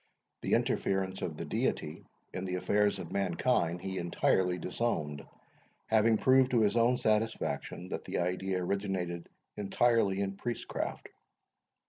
The interference of the Deity in the affairs of mankind he entirely disowned, having proved to his own satisfaction that the idea originated entirely in priestcraft.